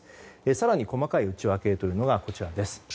更に細かい内訳というのがこちら。